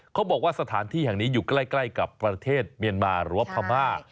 เขาบอกว่าสถานที่แห่งนี้อยู่ใกล้กับประเทศเมียนมาหรือว่าพม่า